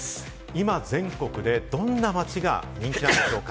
今、全国でどんな街が人気なのでしょうか？